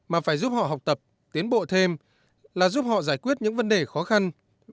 mà phải giúp họ học tập tiến bộ thêm là giúp họ giải quyết những vấn đề khó khăn